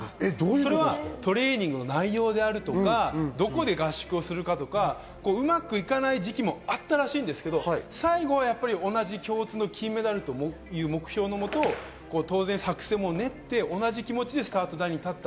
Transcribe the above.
それはトレーニングの内容であるとか、どこで合宿するかとか、うまくいかない時期もあったらしいんですが、最後は共通の金メダルという目標のもと、作戦を練って同じ気持ちでスタート台に立った。